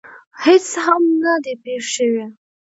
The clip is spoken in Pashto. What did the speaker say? هېڅ هم نه دي پېښ شوي.